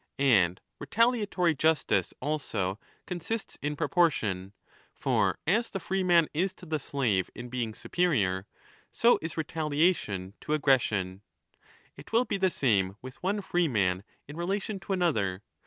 And retaliatory justice, also, consists in proportion. For as the freeman is to the slave in being superior, so is retalia 35 tion to aggression. It will be the same with one freeman in relation to another.